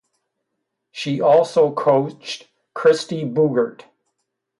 She also coached Kristie Boogert.